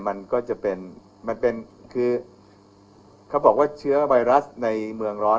มันก็จะเป็นมันเป็นคือเขาบอกว่าเชื้อไวรัสในเมืองร้อน